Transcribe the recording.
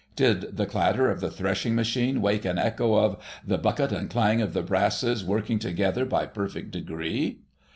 Did the clatter of the threshing machine wake an echo of "... the bucket and clang of the brasses Working together by perfect degree"?